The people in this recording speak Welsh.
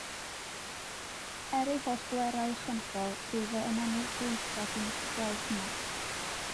Er ei holl bwerau ychwanegol, dyw fy ymennydd dwyieithog i methu gweld hwnna.